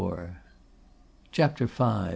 CHAPTER V.